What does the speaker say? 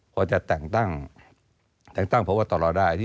พอจะแต่งตั้งแต่งตั้งพบตรได้